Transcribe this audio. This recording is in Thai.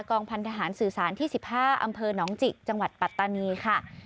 องพันธหารสื่อสารที่๑๕อำเภอหนองจิกจังหวัดปัตตานีค่ะ